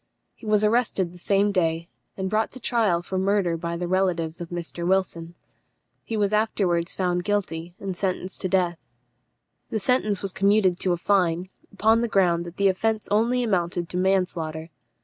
He was arrested the same day, and brought to trial for murder by the relatives of Mr. Wilson. He was afterwards found guilty, and sentenced to death. The sentence was commuted to a fine, upon the ground that the offence only amounted to manslaughter.